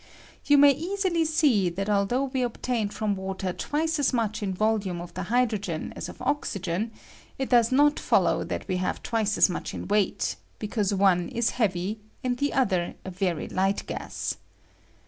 You may easily see that al 6 though we obtained from water twice as much in volume of the hydrogen as of oxygen, it does not follow that we have twice as much in ght, because one 13 heavy and the other a I very light gas.